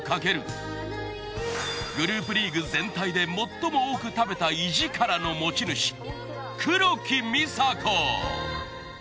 グループリーグ全体で最も多く食べた胃力の持ち主黒木美紗子。